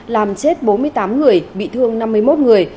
làm chết bốn mươi tám người bị thương năm mươi một người